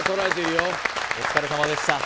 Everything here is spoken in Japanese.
お疲れさまでした